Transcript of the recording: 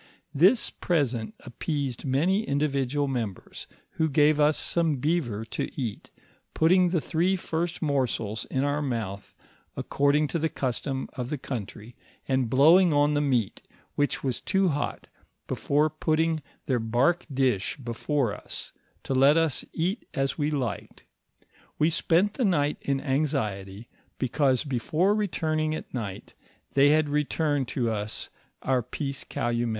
This present ap peased many individual members, who gave us some beaver to eat, putting the three first morsels in our mouth according to the custom of the country, and blowing on the meat which was too hot, before putting their bark dish before us, to let us eat as we liked ; we spent the night in anxiety, because be fore retiring at night, they had returned us our peace calumet.